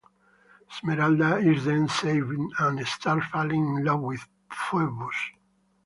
Esmeralda is then saved and starts falling in love with Phoebus.